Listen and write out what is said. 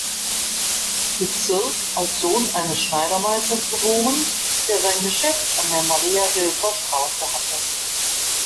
Bezirk, als Sohn eines Schneidermeisters geboren, der sein Geschäft an der Mariahilfer Straße hatte.